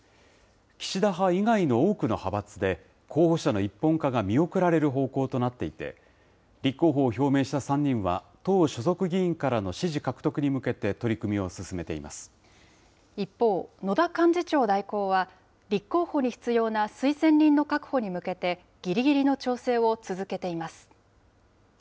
岸田派以外の多くの派閥で、候補者の一本化が見送られる方向となっていて、立候補を表明した３人は、党所属議員からの支持獲得に向けて、取り組みを進めてい一方、野田幹事長代行は、立候補に必要な推薦人の確保に向けて、ぎりぎりの調整を続けています。